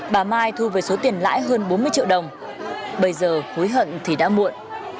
bà mai thu về số tiền lãi hơn bốn mươi triệu đồng bây giờ hối hận thì đã muộn